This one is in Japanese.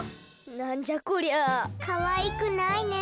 なんじゃこりゃ⁉かわいくないね。